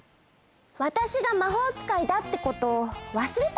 わたしがまほうつかいだってことをわすれたの？